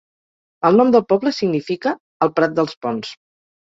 El nom del poble significa 'el prat dels ponts'.